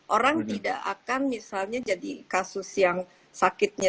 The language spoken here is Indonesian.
orang tidak akan misalnya jadi kasus yang sakitnya